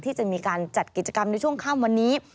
ที่จะมีการจัดกิจกรรมในช่วงข้ามวันนี้